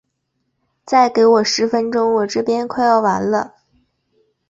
再给我十分钟，我这边快要完了。